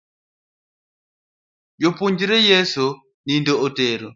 Jopuonjre Yeso nindo otero.